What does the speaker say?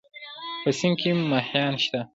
په سيند کې مهيان شته؟